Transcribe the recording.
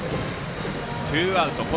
ツーアウトです。